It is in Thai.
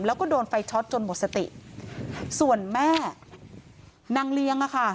แล้วก็โดนไฟช็อตจนหมดสติส่วนแม่นางเลี้ยงอ่ะค่ะ